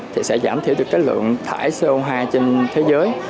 thì sẽ giảm thiểu được cái lượng thải co hai trên thế giới